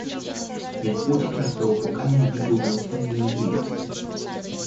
Липутин развел руками в виде угнетенной невинности.